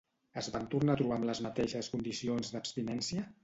Es van tornar a trobar amb les mateixes condicions d'abstinència?